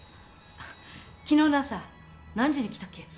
昨日の朝何時に来たっけ？